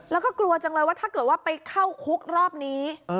แล้วก็กลัวจังเลยว่าถ้าเกิดว่าไปเข้าคุกรอบนี้